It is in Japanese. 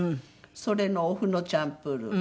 それのお麩のチャンプルー。